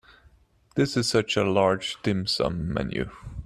This is such a large dim sum menu.